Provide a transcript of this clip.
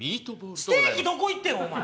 ステーキどこ行ってんお前！